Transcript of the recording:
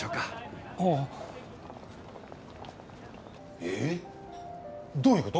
えぇ？どういうこと？